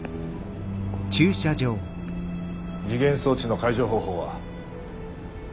時限装置の解除方法は？